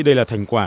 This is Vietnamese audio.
đây là thành quả